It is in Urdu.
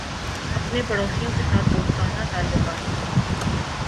اپنے پڑوسیوں کے ساتھ دوستانہ تعلقات